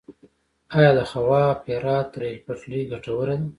آیا د خواف - هرات ریل پټلۍ ګټوره ده؟